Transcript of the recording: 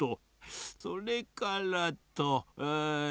それからとえぇ。